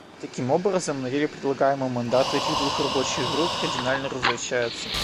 Таким образом, на деле предлагаемые мандаты этих двух рабочих групп кардинально различаются.